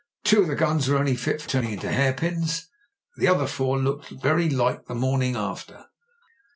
Two of the guns were only fit for turning into hairpins, and the other four looked very like the morning after.